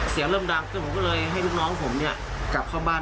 เสียงเริ่มดังขึ้นผมก็เลยให้ลูกน้องผมเนี่ยกลับเข้าบ้าน